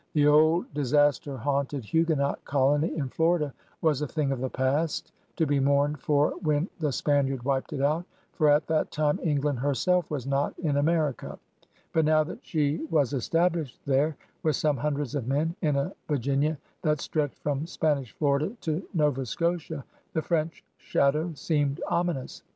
The old, dis aster haimted Huguenot colony in Florida was a thing of the past, to be mourned for when the Spaniard wiped it out — for at that time England herself was not in America. But now that she was Sm THOMAS DALE 87 established there, with some hundreds of men in a Virginia that stretched from Spanish Florida to Nova Scotia, the French shadow seemed ominous.